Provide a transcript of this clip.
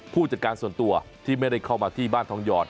ผู้จัดการส่วนตัวที่ไม่ได้เข้ามาที่บ้านทองหยอด